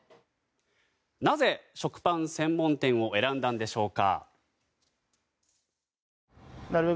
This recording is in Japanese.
なぜ食パン専門店を選んだんでしょうか？